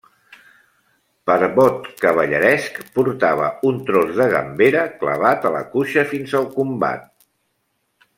Per vot cavalleresc, portava un tros de gambera clavat a la cuixa fins al combat.